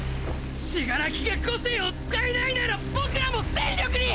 死柄木が個性を使えないなら僕らも戦力に！